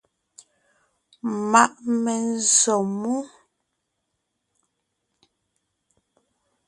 Ma’ menzsǒ mú.